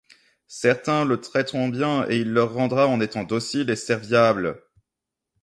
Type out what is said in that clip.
Certains le traiteront bien et il le leur rendra en étant docile et serviable.